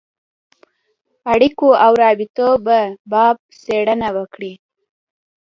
اړېکو او روابطو په باب څېړنه وکړي.